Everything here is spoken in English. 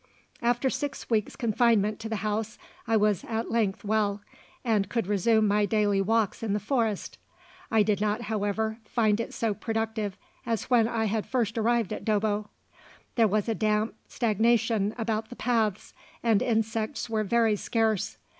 After six weeks' confinement to the house I was at length well, and could resume my daily walks in the forest. I did not, however, find it so productive as when I had first arrived at Dobbo. There was a damp stagnation about the paths, and insects were very scarce.